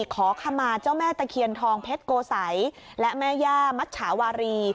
ขอขมาเจ้าแม่ตะเคียนทองเพชรโกสัยและแม่ย่ามัชชาวารี